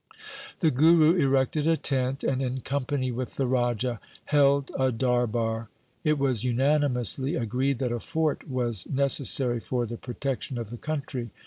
The Guru erected a tent and in company with LIFE OF GURU GOBIND SINGH 17 the Raja held a darbar. It was unanimously agreed that a fort was necessary for the protection of the country.